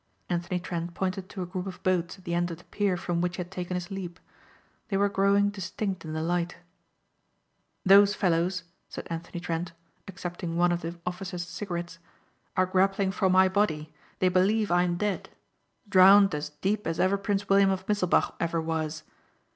Anthony Trent pointed to a group of boats at the end of the pier from which he had taken his leap. They were growing distinct in the light. "Those fellows," said Anthony Trent, accepting one of the officer's cigarettes, "are grappling for my body. They believe I'm dead. Drowned as deep as ever Prince William of Misselbach ever was.